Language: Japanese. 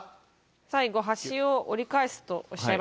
最後端を折り返すとおっしゃいましたね。